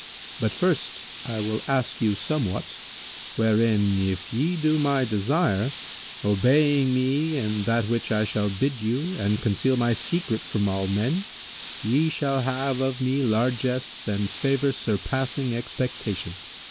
But first I will ask you somewhat, wherein if ye do my desire, obeying me in that which I shall bid you and conceal my secret from all men, ye shall have of me largesse and favour surpassing expectation.